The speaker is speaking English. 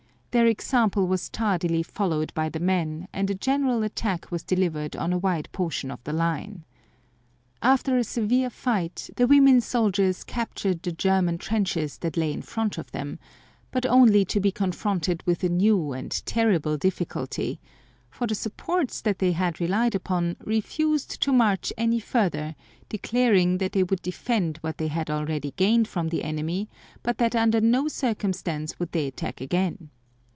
Their example was tardily followed by the men and a general attack was delivered on a wide portion of the line. After a severe fight, the women soldiers captured the German trenches that lay in front of them, but only to be confronted with a new and terrible difficulty, for the supports that they had relied upon refused to march any further, declaring that they would defend what they had already gained from the enemy but that under no circumstance would they attack again.